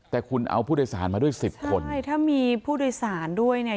แต่คุณเอาผู้โดยสารมาด้วยสิบคนใช่ถ้ามีผู้โดยสารด้วยเนี่ย